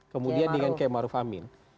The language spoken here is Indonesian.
kemudian dengan km maruf amin